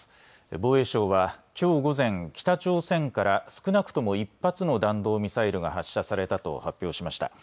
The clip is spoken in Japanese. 防衛省はきょう午前、北朝鮮から少なくとも１発の弾道ミサイルが発射されたと発表しました。